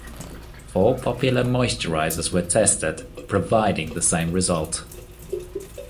Four popular moisturizers were tested, providing the same result.